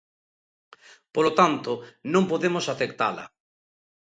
Polo tanto, non podemos aceptala.